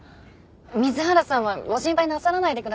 水原さんはご心配なさらないでください。